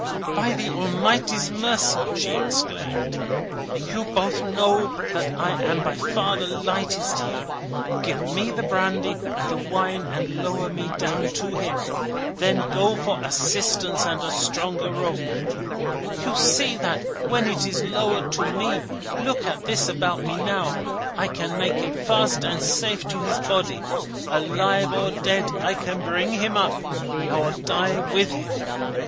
"By the Almighty's mercy!" she exclaimed. "You both know that I am by far the lightest here. Give me the brandy and the wine, and lower me down to him. Then go for assistance and a stronger rope. You see that when it is lowered to me look at this about me now I can make it fast and safe to his body. Alive or dead, I will bring him up, or die with him.